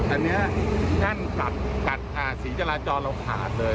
อันนี้แข้นกัดศรีจราจรเราผลาดเลย